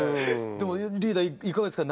でもリーダーいかがですか？